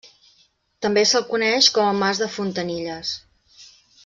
També se'l coneix com a Mas del Fontanilles.